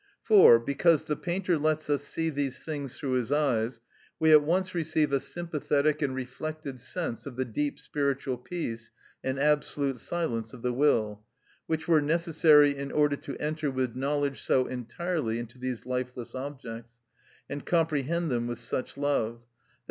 For, because the painter lets us see these things through his eyes, we at once receive a sympathetic and reflected sense of the deep spiritual peace and absolute silence of the will, which were necessary in order to enter with knowledge so entirely into these lifeless objects, and comprehend them with such love, _i.